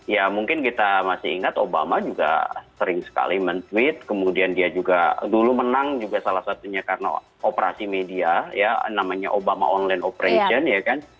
ya mungkin kita masih ingat obama juga sering sekali men tweet kemudian dia juga dulu menang juga salah satunya karena operasi media ya namanya obama online operation ya kan